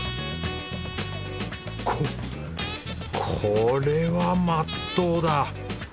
ここれはまっとうだ。